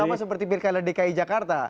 sama seperti pilkada dki jakarta